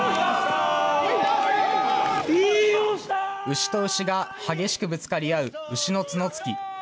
牛と牛が激しくぶつかり合う牛の角突き。